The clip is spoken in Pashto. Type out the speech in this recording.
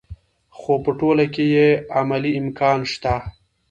خو په ټوله کې یې عملي امکان شته.